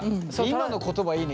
今の言葉いいね